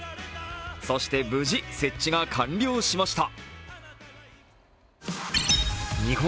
そして無事、設置が完了しました。